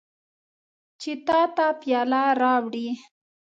چې تا ته پیاله راوړي.